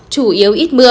chủ yếu ít mưa